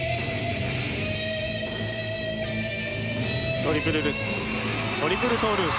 トリプルルッツトリプルトーループ。